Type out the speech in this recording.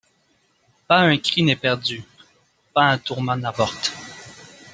Pas un cri n’est perdu, pas un tourment n’avorte ;